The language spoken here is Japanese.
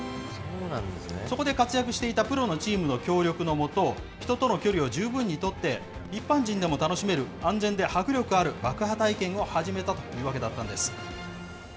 そこで活躍していたプロのチームの協力のもと、人との距離を十分に取って、一般人でも楽しめる安全で迫力ある爆破体験を始めたというわけだったんです。